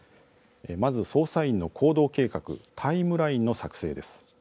まず、操作員の行動計画タイムラインの作成です。